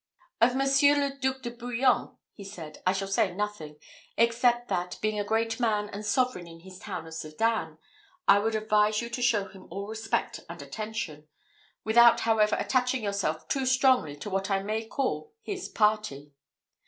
"Of Monseigneur le Duc de Bouillon," he said, "I shall say nothing, except that, being a great man and sovereign in his town of Sedan, I would advise you to show him all respect and attention; without, however, attaching yourself too strongly to what I may call his party.